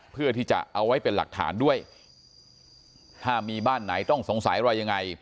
เพื่อที่จะเอาไว้เป็นหลักฐานด้วยถ้ามีบ้านไหนต้องสงสัยอะไรยังไง